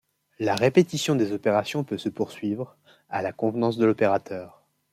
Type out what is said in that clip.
La répétition des opérations peut se poursuivre, à la convenance de l'opérateur.